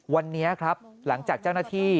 วันนี้ครับหลังจากเจ้าหน้าที่